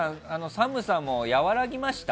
寒さも和らぎました？